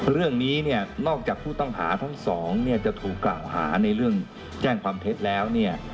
เรื่องนี้เนี่ยนอกจากผู้ต้องหาทั้งสองเนี่ยจะถูกกล่าวหาในเรื่องแจ้งความเท็จแล้วเนี่ย